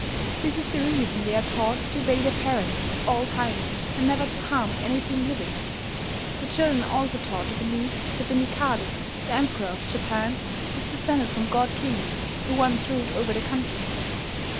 This is the reason they are taught to obey their parents at all times, and never to harm anything living. The children are also taught to believe that the Mikado, the Emperor of Japan, is descended from god kings who once ruled over the country.